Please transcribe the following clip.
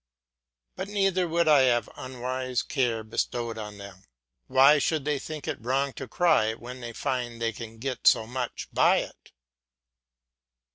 But neither would I have unwise care bestowed on them. Why should they think it wrong to cry when they find they can get so much by it?